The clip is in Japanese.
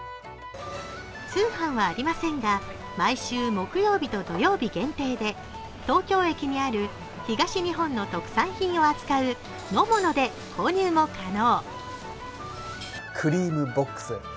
通販はありませんが、毎週木曜日と土曜日限定で東京駅にある東日本の特産品を扱うのもので購入も可能。